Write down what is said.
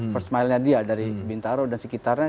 first mile nya dia dari bintaro dan sekitarnya